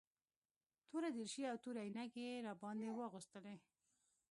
توره دريشي او تورې عينکې يې راباندې واغوستلې.